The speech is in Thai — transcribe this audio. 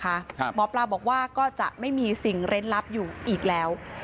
หมอปลาบอกว่าก็จะไม่มีสิ่งเล่นลับอยู่อีกแล้ว